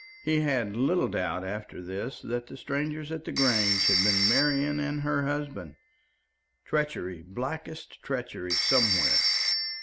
He had little doubt after this that the strangers at the Grange had been Marian and her husband. Treachery, blackest treachery somewhere.